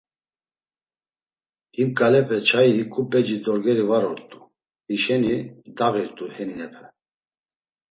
Him ǩalepe çayi hiǩu p̌eci dorgeri var ort̆u; hişeni dağirt̆u heninepe.